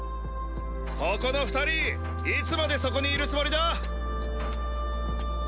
そこの２人いつまでそこにいるつもりだ！